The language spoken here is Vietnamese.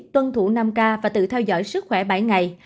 tuân thủ năm k và tự theo dõi sức khỏe bảy ngày